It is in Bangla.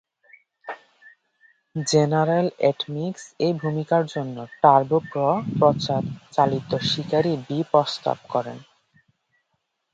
জেনারেল এটমিক্স এই ভূমিকার জন্য টার্বোপ্রপ-চালিত শিকারী বি প্রস্তাব করে।